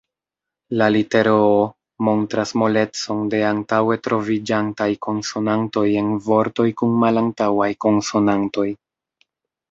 La litero o montras molecon de antaŭe troviĝantaj konsonantoj en vortoj kun malantaŭaj konsonantoj.